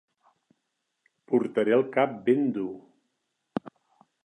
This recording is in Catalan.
Portaré el cap ben dur.